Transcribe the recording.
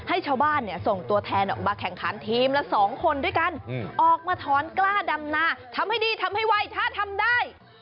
ให้ชาวบ้านส่งตัวแทนออกมาแข่งขันทีมละ๒คนด้วยกันออกมาถอนกล้าดำนาทำให้ดีทำให้ไวถ้าทำได้